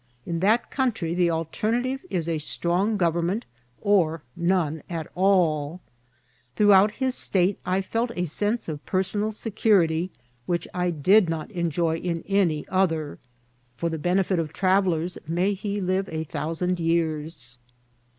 In that country the alternative is a strong government or none at alL Throughout his state I felt a sense of personal security, which I did not enjoy in any other. For the benefit of travellers, may he live a thousand years